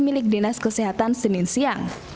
milik dinas kesehatan senin siang